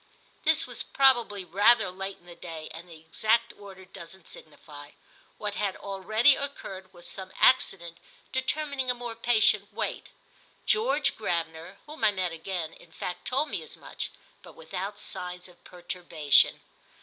This was probably rather late in the day, and the exact order doesn't signify. What had already occurred was some accident determining a more patient wait. George Gravener, whom I met again, in fact told me as much, but without signs of perturbation.